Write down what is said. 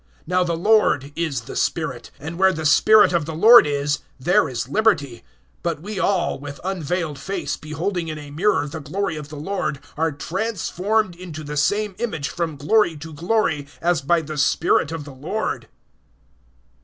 (17)Now the Lord is the Spirit; and where the Spirit of the Lord is, there is liberty. (18)But we all, with unvailed face beholding in a mirror the glory of the Lord, are transformed into the same image from glory to glory, as by the Spirit of the Lord.